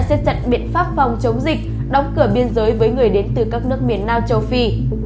xếp chặt biện pháp phòng chống dịch đóng cửa biên giới với người đến từ các nước miền nam châu phi